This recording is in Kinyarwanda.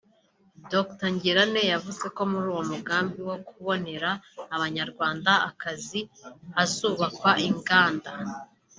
Dr Ngirente yavuze ko muri uwo mugambi wo kubonera Abanyarwanda akazi hazubakwa inganda